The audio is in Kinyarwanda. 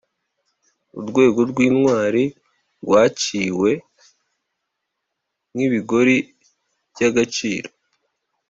urwego rwintwari rwaciwe nkibigori byagaciro,